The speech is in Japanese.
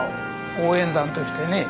応援団としてね